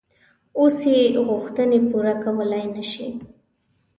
اوس یې غوښتنې پوره کولای نه شي.